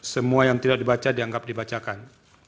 semua yang tidak dibaca dianggap dibacakan